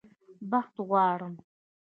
بخت غواړم